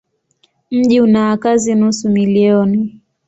Mji una wakazi nusu milioni.